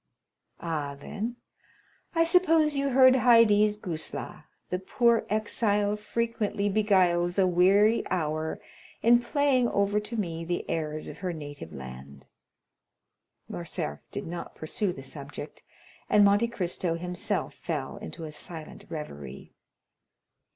"Ah, then, I suppose you heard Haydée's guzla; the poor exile frequently beguiles a weary hour in playing over to me the airs of her native land." Morcerf did not pursue the subject, and Monte Cristo himself fell into a silent reverie.